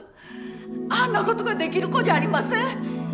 あんな事ができる子じゃありません！